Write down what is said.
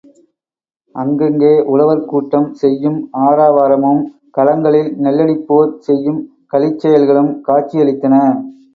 அங்கங்கே உழவர் கூட்டம் செய்யும் ஆரவாரமும், களங்களில் நெல்லடிப்போர் செய்யும் களிச் செயல்களும் காட்சியளித்தன.